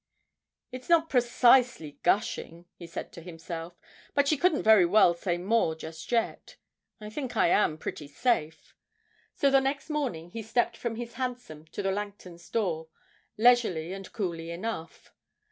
'It's not precisely gushing,' he said to himself, 'but she couldn't very well say more just yet. I think I am pretty safe.' So the next morning he stepped from his hansom to the Langtons' door, leisurely and coolly enough.